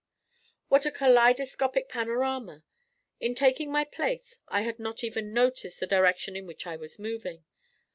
What a kaleidoscopic panorama! In taking my place I had not even noticed the direction in which I was moving.